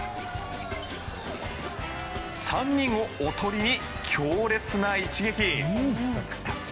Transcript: ３人をおとりに強烈な一撃。